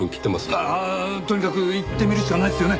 ああとにかく行ってみるしかないっすよね。